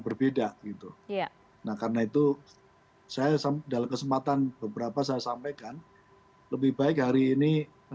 berbeda gitu ya nah karena itu saya dalam kesempatan beberapa saya sampaikan lebih baik hari ini